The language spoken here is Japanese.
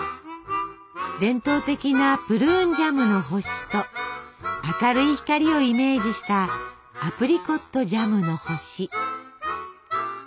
伝統的なプルーンジャムの星と明るい光をイメージしたアプリコットジャムの星。